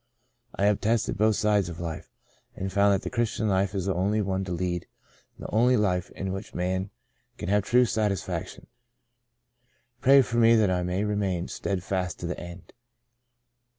I have tested both sides of life, and found that the Christian life is the only one to lead and the only life in which a man can have true satis faction. Pray for me that I may remain steadfast to the end.''